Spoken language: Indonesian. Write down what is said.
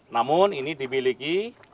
namun ini dimiliki